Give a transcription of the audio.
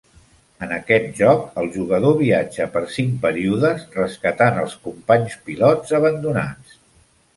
En aquest joc, el jugador viatja per cinc períodes, rescatant els companys pilots abandonats.